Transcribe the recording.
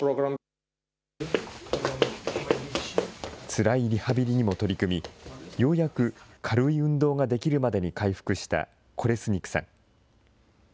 つらいリハビリにも取り組み、ようやく、軽い運動ができるまでに回復したコレスニクさん。